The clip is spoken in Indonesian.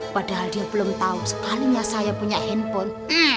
padahal dia belum tahu sekalinya saya punya handphone